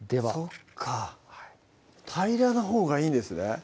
はぁそっか平らなほうがいいんですね